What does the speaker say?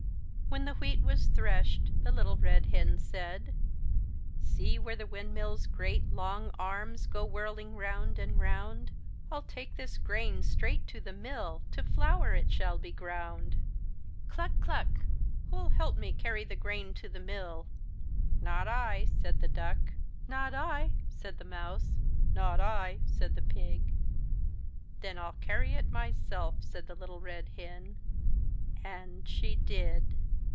When the wheat was threshed, Little Red Hen said: — "See where the windmill's great, long arms Go whirling round and round! rU take this grain straight to the mill; To flour it shall be ground. Cluck! Cluck! Who'll help me carry the grain to the mill?" "Not I," said the Duck. "Not I," said the Mouse. "Not I," said the Pig. "Then Til carry it myself," said Little Red Hen. And she did.